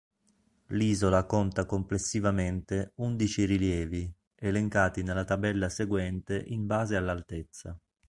L'isola conta complessivamente undici rilievi, elencati nella tabella seguente in base all'altezza.